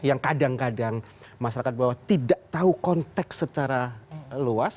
yang kadang kadang masyarakat bawah tidak tahu konteks secara luas